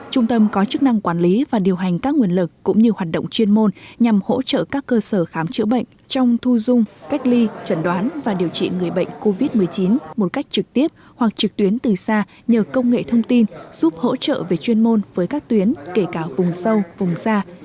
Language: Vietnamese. trung tâm có chức năng quản lý và điều hành các nguồn lực cũng như hoạt động chuyên môn nhằm hỗ trợ các cơ sở khám chữa bệnh trong thu dung cách ly trần đoán và điều trị người bệnh covid một mươi chín một cách trực tiếp hoặc trực tuyến từ xa nhờ công nghệ thông tin giúp hỗ trợ về chuyên môn với các tuyến kể cả vùng sâu vùng xa